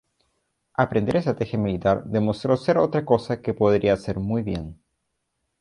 Aprender estrategia militar demostró ser otra cosa que podía hacer muy bien.